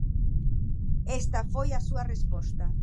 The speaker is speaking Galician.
Esta foi a súa resposta.